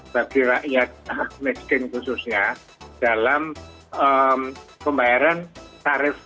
bagi rakyat meskin khususnya dalam pembayaran tarif listrik